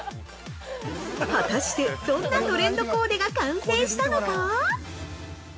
果たして、どんなトレンドコーデが完成したのか。